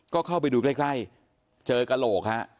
ก็เข้าไปดูใกล้เจอกระโหลกฮะ